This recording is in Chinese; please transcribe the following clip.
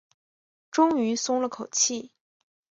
终于松了口气